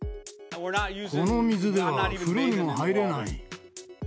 この水では風呂にも入れない。